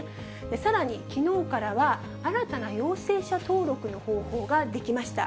さらにきのうからは、新たな陽性者登録の方法ができました。